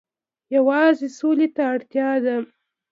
یوازې سولې ته اړتیا ده.